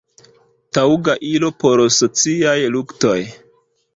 taŭga ilo por sociaj luktoj".